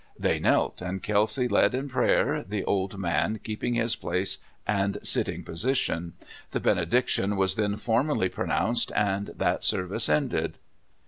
They knelt, and Kelsay led in prayer, the old man keeping his place and sitting position. The benediction was then formally pronounced, and that service ended.